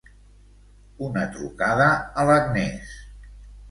Una trucada a l'Agnès.